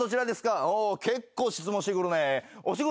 結構質問してくるね。